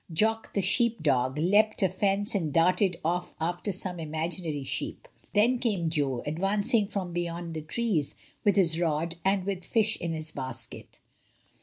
Jock, the sheep dog, leapt a fence and darted off" after some imaginary sheep. Then came Jo, advancing from beyond the trees, with his rod and with fish in his basket.